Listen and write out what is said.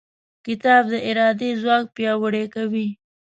کتاب د ارادې ځواک پیاوړی کوي.